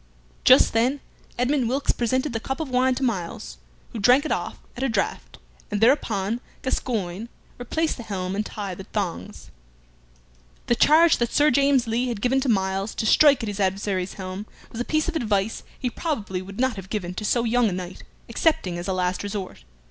Just then Edmund Wilkes presented the cup of wine to Myles, who drank it off at a draught, and thereupon Gascoyne replaced the helm and tied the thongs. The charge that Sir James Lee had given to Myles to strike at his adversary's helm was a piece of advice he probably would not have given to so young a knight, excepting as a last resort.